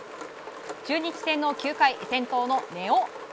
中日戦の９回、先頭の根尾。